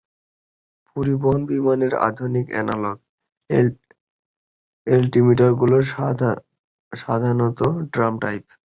পরিবহন বিমানের আধুনিক অ্যানালগ অ্যালটিমেটরগুলি সাধারণত ড্রাম-টাইপ।